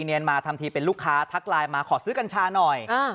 เมียนมาทำทีเป็นลูกค้าทักไลน์มาขอซื้อกัญชาหน่อย